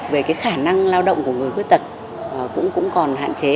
về khả năng lao động của người khuất tật cũng còn hạn chế